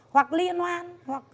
hoặc liên hoan